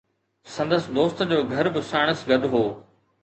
سندس دوست جو گهر به ساڻس گڏ هو.